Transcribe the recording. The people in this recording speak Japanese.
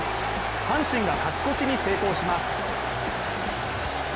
阪神が勝ち越しに成功します。